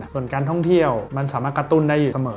ส่วนการท่องเที่ยวมันสามารถกระตุ้นได้อยู่เสมอ